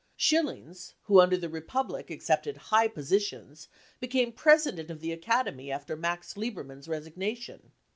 Schillings, who under the Republic accepted high positions, became president of the Academy after Max Liebermann's resignation.